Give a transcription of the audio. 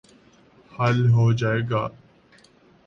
حل ہو جائے گا۔